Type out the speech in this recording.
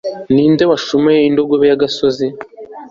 ni nde washumuye indogobe y'agasozi